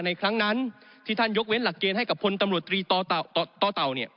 ครั้งนั้นที่ท่านยกเว้นหลักเกณฑ์ให้กับพลตำรวจตรีต่อเต่า